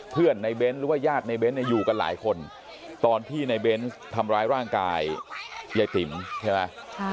ในเบ้นหรือว่าญาติในเบ้นอยู่กันหลายคนตอนที่ในเบนส์ทำร้ายร่างกายยายติ๋มใช่ไหม